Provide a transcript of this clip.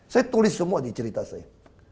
saya tulis semua di cerita saya